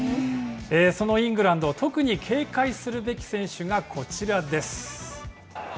そのイングランド、特に警戒するべき選手がこちらです。